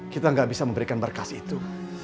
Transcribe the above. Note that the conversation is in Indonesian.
kita gak bisa memberikan berkas itu